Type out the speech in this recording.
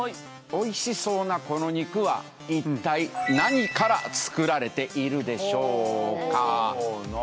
おいしそうなこの肉はいったい何からつくられているでしょうか。